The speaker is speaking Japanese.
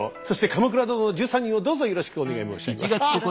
そして「鎌倉殿の１３人」をどうぞよろしくお願い申し上げます。